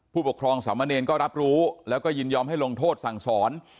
ผู้ปกครองสามเณรก็รับรู้แล้วก็ยินยอมให้ลงโทษสั่งสอน